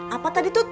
apa tadi tut